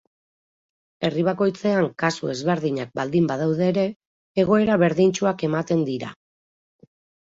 Herri bakoitzean kasu ezberdinak baldin badaude ere, egoera berdintsuak ematen dira.